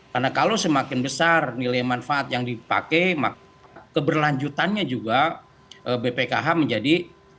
karena kalau semakin besar nilai manfaat yang dipakai keberlanjutannya juga bpkh menjadi